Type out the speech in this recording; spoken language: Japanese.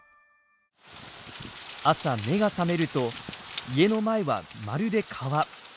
朝目が覚めると家の前はまるで川。